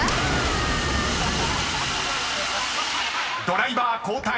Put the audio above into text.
［ドライバー交代］